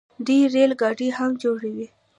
دوی ریل ګاډي هم جوړوي.